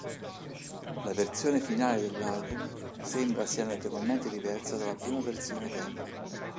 La versione finale dell'album sembra sia notevolmente diversa dalla prima versione demo.